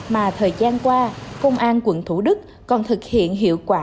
mà thời gian qua công an quận thủ đức còn thực hiện hiệu quả